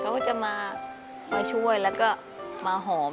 เขาก็จะมาช่วยแล้วก็มาหอม